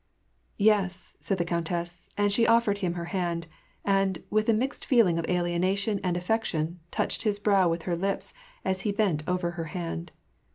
" Yes," said the countess, and she offered him her hand ; and, with a mixed feeling of alienation and affection, touched his brow with her lips, as he bent over her hand.